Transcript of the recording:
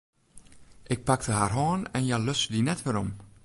Ik pakte har hân en hja luts dy net werom.